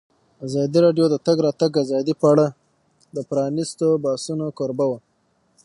ازادي راډیو د د تګ راتګ ازادي په اړه د پرانیستو بحثونو کوربه وه.